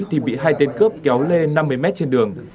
thì bị hai tên cướp kéo lê năm mươi mét trên đường